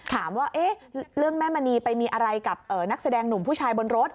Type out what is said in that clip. ถามว่าเรื่องแม่มณีไปมีอะไรกับนักแสดงหนุ่มผู้ชายบนรถ